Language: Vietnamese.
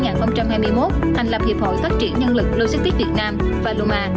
năm hai nghìn hai mươi một thành lập hiệp hội phát triển nhân lực logistics việt nam và luman